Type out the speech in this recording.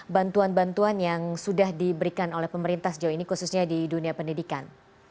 bantuan bantuan yang sudah diberikan oleh pemerintah sejauh ini khususnya di dunia pendidikan